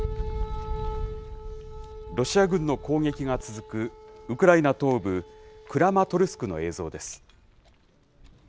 ロシア軍の攻撃が続く、ウクライナ東部クラマトルスクの映像です。